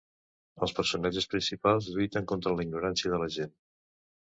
Els personatges principals lluiten contra la ignorància de la gent.